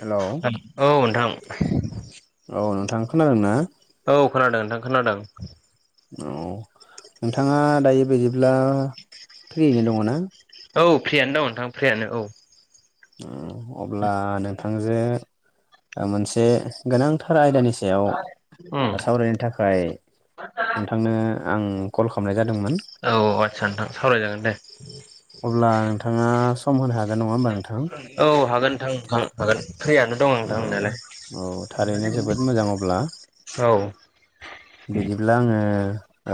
Hello औ नोंथां। औ नोंथां खोनादों ना? औ खोनादों नोंथां खोनादों। औ नोंथाङा दायो बिदिब्ला थैयैनो दङ ना? औ फ्रियानो दङ नोंथां फ्रियानो औ। ओ अब्ला नोंथांजो ओ मोनसे। गोनांथार आयदानि सायाव उम सावरायनो थाखाय। नोंथांनो आं कल खालामनाय जा औ आस्सा नोंथां सावराय जागोन दे। अब्ला नोंथाङा सम होनो हागोन नङा होनोमबा नोंथां। औ हागोन नोंथां हा-हागोन। फ्रियानो दं आं औ नोंथां नोंनायालाय औ थारैनो जोबोद मोजां अब्ला औ। बिदिब्ला आङो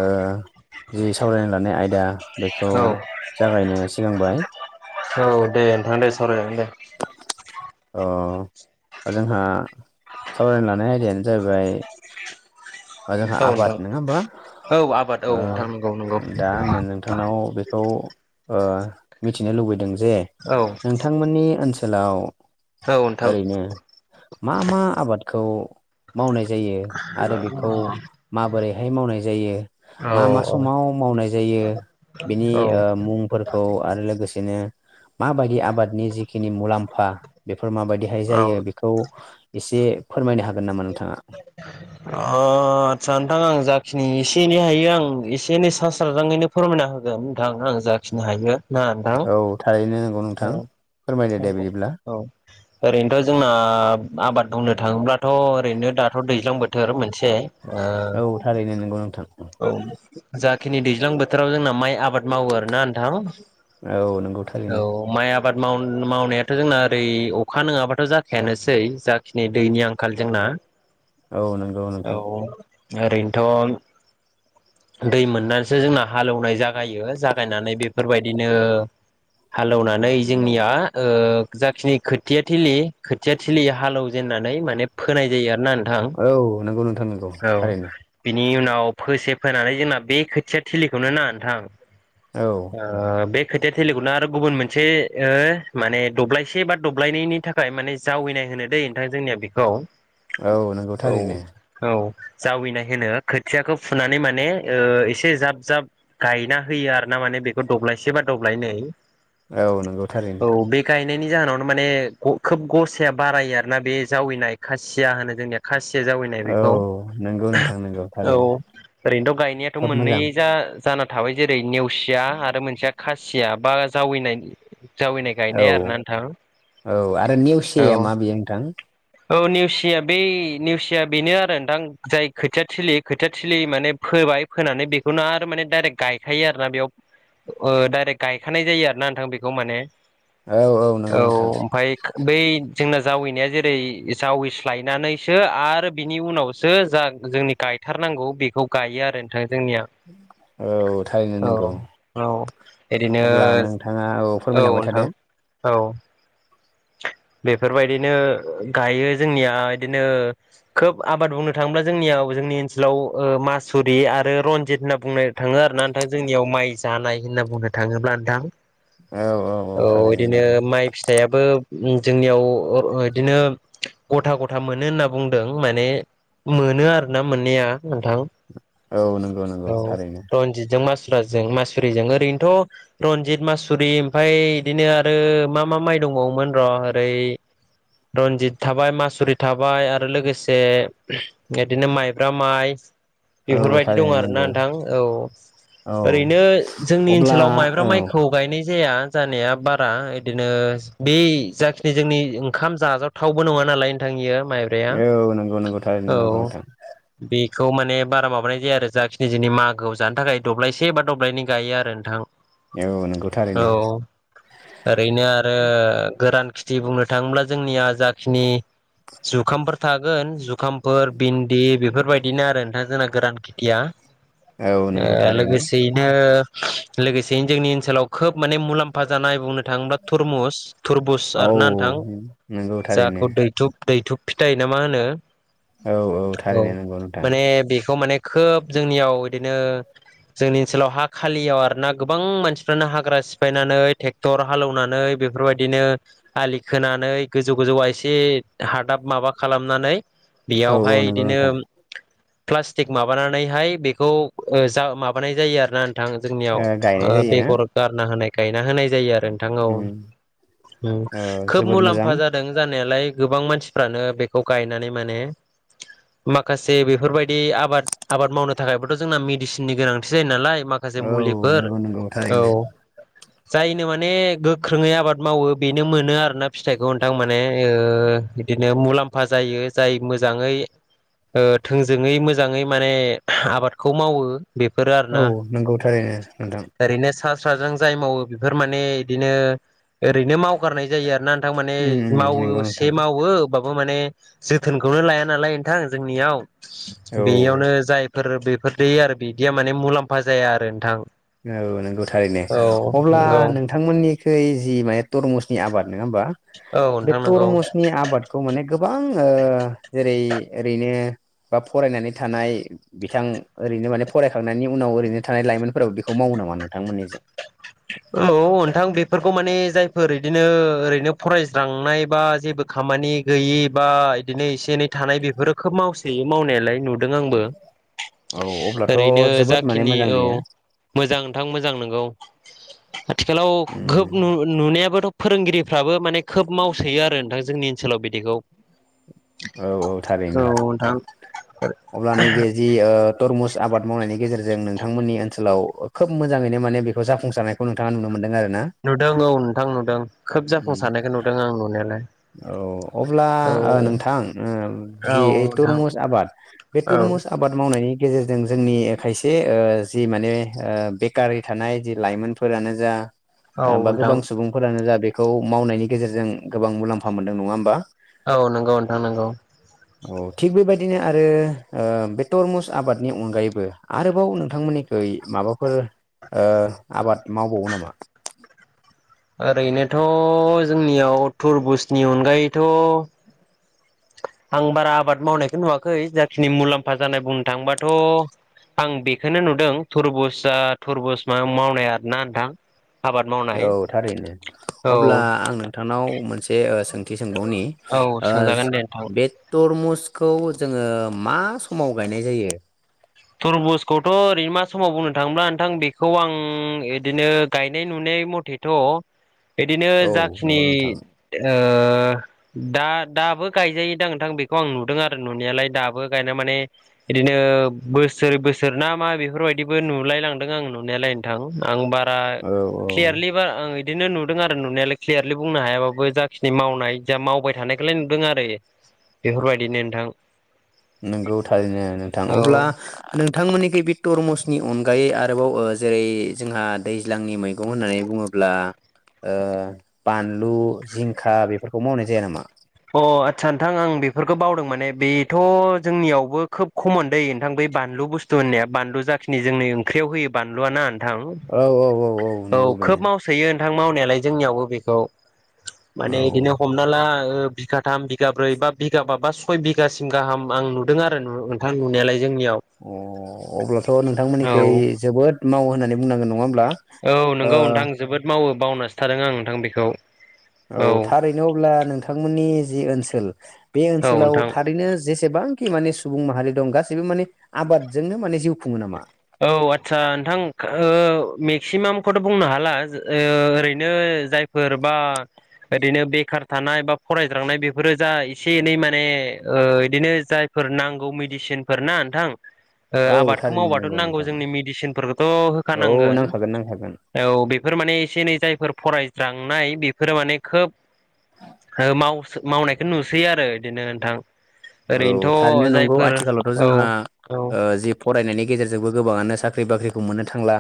ओ जि सावरायनो लानाय आयदा बेखौ औ जागायनो सिगांबाय। औ दे नोंथां दे सवराय जागोन दे। अ जोंहा सावरायनो लानाय आयदायानो जाहैबाय मा जोंहा औ आबाद नोंथां नोङा होनबा। औ आबाद औ नोंथां नंगौ नंगौ ओ दा आङो नोंथांनाव बेखौ ओ मिथिनो लुबैदों जे औ नोंथांमोननि ओनसोलाव। औ नोंथां ओरैनो मा-मा आबादखौ मावनाय जायो आरो बे खौ माबोरैहाय मावनाय जायो औ मा-मा औ समाव मावनाय जायो। बेनि औ ओ मुंफोरखौ आरो लोगोसेनो। माबायदि आबादनि जिखिनि मुलाम्फा। फोर माबायदिहाय औ जायो बेखौ एसे फोरमायनो हागोन नामा नोंथाङा? ओ ओ आदसा नोंथां आं जाखिनि एसे एनै हायो आं एसे एनै सा स्राजाङैनो फोरमायना होगोन नोंथां आं। जाखिनो हायो। औ थारैनो। नोंथां फोरमायदो दे बिदिब्ला औ-औ-औ ओरैनोथ' जोंना आबाद बुं नो थाङोब्लाथ' ओरैनो दाथ' दैज्लां बोथोर मोनसे। ओ औ थारैनो नंगौ नोंथां औ जा खिनि दैज्लां बोथोराव जोंना माइ आबाद मावो आरोना नोंथां। औ नोंगौ। औ माइ आ बाद माव-मावनायाथ' जोंना ओरै अखा नङाबाथ' जाखायानोसै जाखिनि दैनि आंखाल जोंना। [unintelligible] औ नंगौ औ नोंथां। ओरैनोथ' [unintelligible] दै मोननानैसो जोंना हालेवनाय जागायो जागायनानै बेफोरबायदिनो हालौनानै जोंनिया ओ जाखिनि खोथिया थिलि खोथिया थिलि हालेव जेनना नै माने फोनाय जायो आरो ना औ नोंगौ नोंथां नोंगौ थारैनो। नि उनाव फोसे फोनानै जोंना बे खोथिया थिलिखौनो ना नोंथां। औ आ बे खोथा थेलिगुनो आरो गुबुन मोनसे माने दब्लायसे बा दब्लायनैनायनि थाखाय माने जावैनाय होनो दै नोंथां जोंनिया बेखौ औ नंगौथारैनो। औ जावैनाय होनो खोथियाखौ फुनानै माने एसे जाब जाब गायना होयो। आरोार ना माने बेखौ दब्लायसे बा दब्लायनै। औ नंगौ थारैनो। यनायनि जाहोनावनो मानो‌ खोब गसाया बारायो आरोना बे जावनाय खासिया होनो जोंनिया खा एसे जावैनाय औ बेखौ नंगौ नोंथां नंगौ औ थारैनो ओरैनोथ' गायनायाथ' खोब मोजां मोननैयै जा जाना थाबाय जेरै नेवसिया आरो मोनसेया खासिया बा जावैनायनि जावैनाय औ गायनाया आरोना औ आरो नोंथां नेवसियाया औ। मा बेयो नोंथां औ नेवसिया बे नेवसिया बेनो आरो नोंथां जाय खोथियाथिलि खोथियाथिलि माने फोबाय फोनानै बेखौनो आरो माने डाइरेक्ट गायखायो आरोना बेयाव ओ डाइरेक्ट गायखानाय जायो आरो ना नोंथां बेखौ माने औ औ नंगौ नोंथां ओमफफ्राय बै जोंना जावैनाया जेरै जावैस्लायनानैसो आरो बिनि उनावसो जा जोंनि गायथारनांगौ बेखौ गायो आरो नोंथाङा जोंनिया। औ थारैनो औ नोंगौ औ ओरैनो अब्ला नोंथाङा औ फोरमायलांबाय थादों। [unintelligible] औ। [inaudible] बेफोरबायदिनो गायो जोंनिया बिदिनो खोब आबाद बुंनो थाङोब्ला जोंनियाव जोंनि ओनसोलाव ओ मासुरि आरो रनजित होनना बुंनो थाङो आरोना नोंथां जोंनियाव माइ जानाय होनना बुंनो थाङोब्ला नोंथां औ औ थारैनो बिदिनो नंगौ माइ फिथाइयाबो जोंनियाव बिदिनो गथा गथा मोनो होनना बुंदों माने मोनो आरोना मोननाया नोंथां औ नंगौ नंगौ औ थारैनो रन्जितजों मास कुराजों मासुरिजों ओरैनोथ' रनजित मासुरि ओमफ्राय बिदिनो आरो मा मा माइ दंबावोमोन । र ओरै रन्जित थाबाय मासुरि थाबाय आरो लोगोसे बिदिनो माइब्रा माइ । औ बेफोरबायदि दं थारैनो आरो ना नंगौ नोंथां औ औ । ओरैनो जोंनि अब्ला ओनसोलाव माइब्रा औ माइखौ गायनाय जाया जानाया बारा बिदिनो बे जाखिनि जोंनि ओंखाम जाजाथावबो नङा नालाय नोंथां इयो । माइब्राया औ नंगौ नंगौ थारैनो औ नंगौ नोंथां बे खौ माने बारा माबानाय जाया आरो जाखिनि जोंनि मागोआव जानो थाखाय दब्लायसे बा दब्लायनै गायो आरो नोंथां औ नंगौ थारैनो औ ओरैनो आरो । गोरान खेथि बुंनो थाङोब्ला जोंनिया जाखिनि जुखामफोर थागोन जु खामफोर भिन्दि बेफोरबायदिनो आरो नोंथां जोंना गोरान खेथिया औ नंगौ । थारैनो लोगोसेयैनो लोगोसेयैनो जोंनि ओनसोलाव खोब माने मुलाम्फा जानाय बुंनो थाङोब्ला तुरमुस बुस औ आरो ना नोंथां नंगौ थारैनो जाखौ दैथुब दैथुब फिथाइ ना मा होनो? औ थारैनो औ नंगौ नोंथां माने बेखौ माने खोब जोंनियाव बिदिनो । जोंनि ओनसोलाव हा खालियाव आरोना गोबां मानसिफ्रानो हाग्रा सिफायनानै ट्रेक्टर हालेवनानै बेफोरबाय दिनो आलि खोनानै गोजौ गोजौ एसे हादाब माबा खालामनानै औ बेयावहाय औ नंगौ बिदिनो नोंथां प्लास्टिक माबानानैहाय बेखौ ओ‌ जा माबानाय जायो आरोना नोंथां जोंनियाव गायनाय ओ जायोना बेगर गारना होनाय गायना होनाय जायो आरो नोंथां औ उम ओम‌ ओ खोब जोबोद मोजां मुलाम्फा जादों जा नायालाय गोबां मानसिफ्रानो बेखौ गायनानै माने माखासे बेफोरबायदि आबाद आबाद मावनो थाखायबोथ' जोंना मेडिसिननि गोनांथि जायो नालाय माखासे औ मुलिफोर नंगौ नंगौ औ थारैनो जायनो माने गोख्रोङै आबाद मावो बेनो मोनो आरोना फिथाइखौ नोंथां माने ओ बिदिनो मुलाम्फा जायो जाय मो मोजाङै ओ थोंजोङै मोजाङै माने आबादखौ मावो बेफोरो आरोना औ नंगौ थारैनो नोंथां ओरैनो सा साज्रां जाय मावो बेफोर माने बिदिनो ओरैनो मावगारनाय जायो आरोना थारमाने उम उम मावो नंगौ से नोंथां मावो बा माने जोथोनखौनो लाया नालाय नोंथां जोंनियाव औ बेयावनो जाय फोर बेफोर दै आरो बिदिया माने मुलाम्फा जाया आरो नोंथां औ नंगौ थारैनो औ अब्ला नंगौ नोंथांमोननिखै जि माने तरमुजनि आबाद नङा होमबा औ बे नोंथां नंगौ तरमुसनि आबादखौ माने गोबां ओ जेरै ओरैनो बा फरायनानै थानाय बिथां ओरैनो माने फरायखांनायनि उनाव ओरैनो थानाय लाइमोनफोराबो‌ बि खौ मावो नामा नोंथांमोननिथिं औ नोंथां बेफोरखौ माने जायफोर बिदिनो ओरैनो फरायस्रांनाय बा जेबो खामानि गैयि बा बिदिनो एसे एनै थानाय बेफोरो खोब मावसोयो मावनायालाय नुदों आंबो औ अब्लाथ' ओरैनो जोबोद माने जाखिनि मोजां औ बियो मोजां नोंथां मोजां नंगौ आथिखालाव उम खोब नु नुनायाबोथ' फोरोंगिरिफ्राबो माने खोब मावसोयो आरो नोंथां जोंनि ओनसोलाव बिदिखौ औ औ औ थारैनो नोंथां अब्ला नैबे जि ओ तरमुस आबाद मावनायनि गेजेरजों नोंथांमोननि ओनसोलाव खोब मोजाङैनो माने बेखौ जाफुंसारनायखौ नोंथाङा नुनो मोनदों आरो ना नुदों औ नोंथां नुदों खोब उम जाफुंसारखौ नुदों आं नुनायालाय औ अब्ला औ नोंथां औ जि नोंथां तरमुज आबाद बे औ तरमुज आबाद माव मावनायनि गेजेरजों जोंनि खायसे ओ जि माने ओ बेकारै थानाय जि लाइमोनफोर जा औ बा नोंथां गोबां सुबुंफोरानो जा बेखौ मावनायनि गेजेरजों गोबां मुलाम्फा मोनदों नङा होमबा औ नंगौ नोंथां नोंगौ । औ थिग बेबायदिनो आरो ओ बे तरमुज आबादनि अनगायैबो आरोबाव नोंथांमोननिखै माबाफोर ओ आबाद मावबावो नामा? ओरैनोथ' जोंनियाव तुरबुज नि अनगायैथ' आं बारा आबाद मावनायखौ नुवाखै जाखिनि मुलाम्फा जानाय बुंनो थांबाथ' आं बेखौनो नुदों तुरबुजआ तुरबुज मा मावनाया ना नोंथां आबाद मावनाय औ थारैनो औ अब्ला आं नोंथां नोंनाव मोनसे ओ सोंथि सोंबावनि औ ओ सोंजागोन दे नोंथां बे तरमुज खौ जोङो मा समाव गायनाय जायो? तुरबुज खौथ' ओरैनो मा समाव बुंनो थाङोब्ला नोंथां बेखौ आं इदिनो गायनाय नुनाय मथैथ' इदिनो औ जाखिनि नंगौ नोंथां ओ दा दाबो गायजायो दां नोंथां बेखौ आं नुदों आरो नुनायालाय दाबो गायना माने इदिनो ओशबोसोर बोसोरना मा बेफोरबायदिबो नुलायलांदों आं नुनायालाय नोंथां आं बा रा औ औ क्लेयारलि बारा आं इ बिदिनो नुदों आरो नुनायालाय क्लियारलि बुंनो हायाबाबो जाखिनि मावनाय जा मावबाय थानायखौलाय नुदों आरो बेफोरबायदिनो नोंथां नंगौ थारैनो नोंथां अब्ला नोंथांमोननिखै बे तरमुजनि अनगायै आरो आरोबाव जेरै जोंहा दैज्लांनि मैगं होननानै बुङोब्ला बानलु जिंखा बेफोरखौ मावनाय जाया नामा? अ आदसा नोंथां आं बेफोरखौ बावदों माने बेथ' जोंनियावबो खोब खमन दै नोंथां बे बे बानलु बुस्थु होननाया बानलु जाखिनि जोंनि ओंख्रियाव होयो बानलुआ ना औ औ औ औ नंगौ बेनो खोब मावसोयो नथां मावनायालाय जोंनियावबो बेखौ औ माने औ बिदिनो हमना ला ओ बिगाथाम बिगाब्रै बा बिगाबा बा सय बिगासिम गाहाम आं नुदों आरो नोंथां नुनायालाय जोंनियाव अ अब्लाथ' औ नोंथांमोननिखै जोबोद मावो होननानै बुंनांगोन नङा होमब्ला औ नंगौ ओ नोंथां जोबोद मावो बावनासो थादों आं नोंथां बेखौ औ थारैनो अब्ला नोंथांमोननि जि ओनसोल बे ओनसोलाव नोंथां थारैनो जेसेबां खि माने सुबुं माहारि दं गासैबो माने आबादजोंनो माने जिउ खुङो नामा औ आचसा नोंथां मेक्सिमामखौथ' बुंनो हाला ओरैनो जायफोर बा ओरैनो बेखार थानाय बा फरायज्रांनाय बेफोरो जा एसे एनै माने बिदिनो जायफोर नांगौ मेदिसिनफोर ना नोंथां औ आबादखौ थारैनो मावा आरो नंगौ नांगौ नोंथां जोंनि मेडिसिनफोरखौथ' औ होखानांगोन नांखागोन नांखागोन औ बेफोर माने एसे एनै जायफोर फरायज्रांनाय बेफोरो माने खोब माव मावनायखौ नुसैयो आरो बिदिनो नोंथां औ थारैनो ओरैनोथ' नंगौ जायफोर आथिखालावथ' औ जोंहा औ जि फरायनायनि गेजेरजोंबो गोबाङानो साख्रि बाख्रिखौ मोननो थांला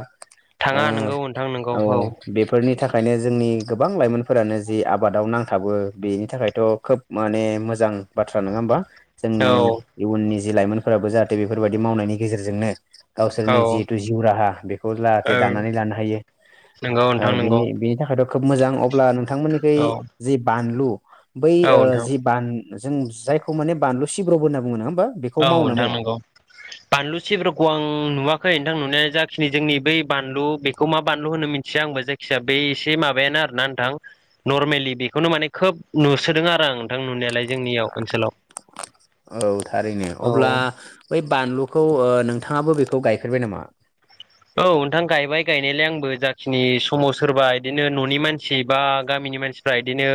थाङा नोंगौ नोंथां नोंगौ ओ औ बेफोरनि था खायनो जोंनि गोबां लाइमोनफोरानो जि आबादाव नांथाबो बेनि थाखायथ' खोब माने मोजां बाथ्रा नङा होमबा जोंनि औ इयुननि जि लाइमोनफोराबो जाहाथे बेफोरबायाददि मावनायनि गेजेरजोंनो औ गावसोरनि जिथु जिउ राहा बेखौ जाहाथे दानानै लानो हायो नोंगौ नोंथां बिनि नोंगौ बिनि थाखाय द खोब मोजां अब्ला नोंथांमोननिखै औ जि बानलु बै औ ओ नोंथां जि बान जों जायखौ माने बानलु सिब्रबो होनना बुङो नङा? होमबा बेखौ औ मावो ना नोंथां मावा नोंगौ बानलु सिब्र'खौ आं नुवाखै आं नुनाया जाखिनि जोंनि बै बानलु बेखौ मा बानलु होनो मिथिया आंबो जायखिया बै एसे माबायानो आरोना नोंथां नर्मेलि बेखौनो माने खोब नुसोदों आरो आं नोंथां नुनायालाय जोंनियाव ओनसोलाव औ थारैनो औ अब्ला बै बानलुखौ ओ नोंथाङाबो बेखौ गायफेरबाय नामा? औ नोंथां गायबाय गायनायलाय आंबो जाखिनि समाव सोरबा बिदिनो न'नि मानसि बा गामि जोंनि मानसिफ्रा इदिनो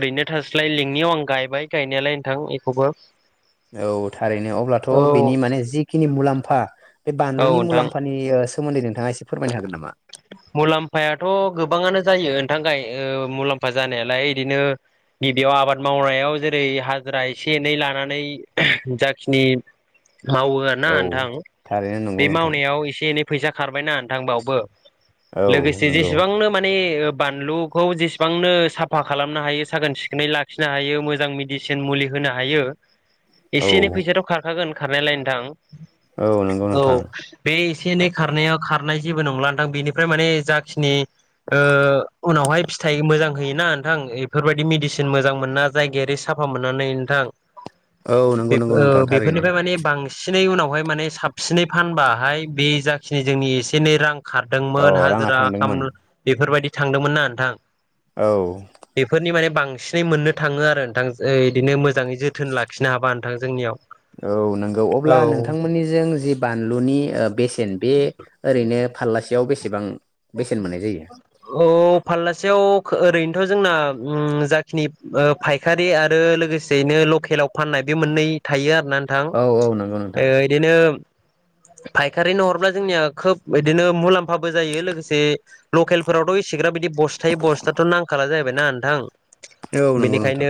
ओरैनो थास्लाय लिंनि अ आं गायबाय गायनायालाय नोंथां एखौबो औ थारैनो अब्लाथ' औ बेनि माने जिखिनि मुलाम्फा बे औ बानलुनि नोंथां मुलाम्फानि सोमोन्दै नोंथाङा एसे फोरमायनो हागोन नामा? दाथ' गोबाङानो जायो ओथां गाय ओ मुलाम्फा जानायालाय एदिनो गिबियाव आबाद मावनायाव जेरै हाजिरा एसे एनै लानानै जाखिनि मावो आरोना औ नोंथां थारैनो नंगौ बे नोंथां मावनायाव एसे एनै फैसा खारबायना नोंथां बावबो औ लोगोसे नंगौ जेसेबांनो माने ए ओ फानलुखौ जेसेबांनो साफा खालामनो हायो साखोन सिखोनै लाखिनो हायो मोजां मेडिसिन मुलि होन होनो हायो औ एसे एनै फैसाथ' खारखागोन खारनायलाय नोंथां औ नंगौ औ नोंथां बे एसे एनै खारनाया खारनाय जेबो नंला नोंथां बेनिफ्राय माने जाखिनि ओ उनावहाय फि थाइ मोजां होयोना नोंथां एफोरबायदि मेडिसिन मोजां मोना जायगायारि साफा मोनानै नोंथां औ नंगौ बेफो नंगौ नोंथां ओ थारैनो बेफोरनिफ्राय माने बांसिनै उनावहाय माने साब सिनै फानबाहाय बे जाखिनि जोंनि एसे एनै रां औ खारदोंमोन राङा हाजिरा खाम थांदोंमोन बेफोरबायदि थांदोंमोन ना नोंथां । औ बेफोरनि माने बांसिनै मोननो थाङो आरो नोंथां ओ इदिनो मोजाङै जोथोन लाखिनो हाबा नोंथां जोंनियाव औ नोंगौ । अब्ला औ नोंथांमोनिजों जि बानलुनि ओ बेसेन बे ओरैनो फाल्लासेयाव बेसेबां बेस औ फाल्लासेयाव ओरैनोथ' जोंना ओम जाखिनि ओ फायखारि आरो लोगोसेयैनो लकेलाव फाननाय बे मोननै थायो आरोना नोंथां औ औ नंगौ । नोंथां ओ इदिनो फायखारिनो हरब्ला जोंनिया खोब इदिनो मुलाम्फाबो जायो । लोगोसे लकेलफोरावथ' इसेग्राब बिदि बस्थायै बस्थाथ' नांखाला जाहैबायना नोंथां । औ नंगौ बेनिखायनो नोंथां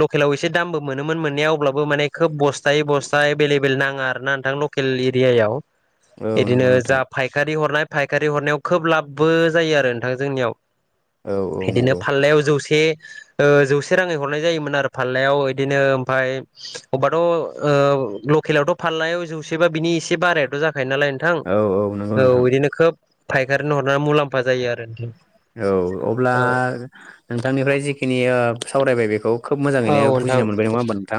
लकेलाव एसे दामबो मोनोमोन मोननाया अब्लाबो माने खोब बस्थ बस्थायै बस्था एभेलेबेल नाङा आरो ना नोंथां । लकेल एरियाव औ एदिनो नंगौ नोंथां जा फायखारि हरनाय फायखारि हरनायाव खोब लाब बो जायो आरो नोंथां । जोंनियाव औ औ इदिनो नंगौ फाल्लायाव जौसे ओ जौसे राङै हरनाय जायोमोन आरो फाल्लायाव इदिनो ओमफाय अबबाथ' ओ ल केलावथ' फाल्लायाव जौसेबा बिनि एसे बारायाथ' जाखायो नालाय नोंथां औ औ नंगौ । नोंथां औ इदिनो खोब फायखारिनो हरनानै मुलाम्फा जायो आरो न औ अब्ला । नोंथांनिफ्राय जिखिनि ओ सावरायबाय बेखौ खोब औ मोजाङैनो नोंथां बुजिना मोनबाय नङा होनोमा नोंथां?